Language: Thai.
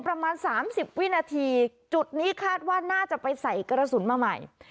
ประมาณสามสิบวินาทีจุดนี้คาดว่าน่าจะไปใส่กระสุนมาใหม่